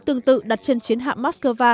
tương tự đặt trên chiến hạm moskova